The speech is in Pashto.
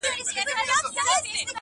• امیرحمزه بابا روح دي ښاد وي..